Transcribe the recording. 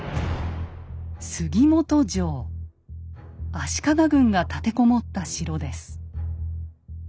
足利軍が立て籠もった城です。